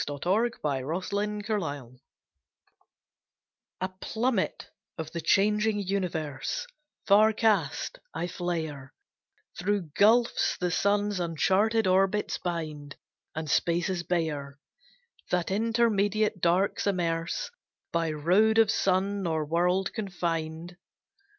THE SONG OF A COMET A plummet of the changing universe, Far cast, I flare Through gulfs the sun's uncharted orbits bind, And spaces bare That intermediate darks immerse By road of sun nor world confined.